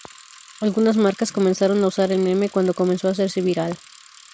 Algunas marcas comenzaron a usar el meme cuando comenzó a hacerse viral.